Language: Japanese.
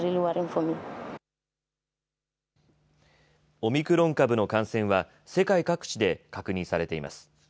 オミクロン株の感染は世界各地で確認されています。